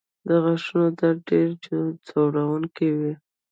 د غاښونو درد ډېر ځورونکی وي.